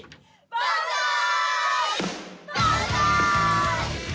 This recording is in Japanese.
バンザイ！